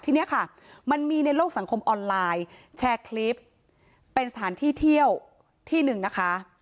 ทีนี้ค่ะมันมีในโลกสังคมออนไลน์แชร์คลิปเป็นสถานที่เที่ยวที่หนึ่งนะคะ